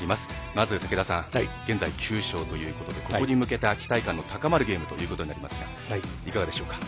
まず、武田さん現在９勝ということでここに向けた期待感の高まるゲームとなりますがいかがでしょうか？